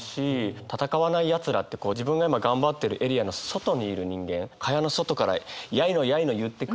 「闘わない奴等」ってこう自分が今頑張ってるエリアの外にいる人間蚊帳の外からやいのやいの言ってくる。